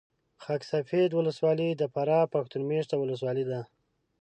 خاک سفید ولسوالي د فراه پښتون مېشته ولسوالي ده